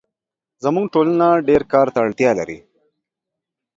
زموږ ټولنه ډېرکار ته اړتیا لري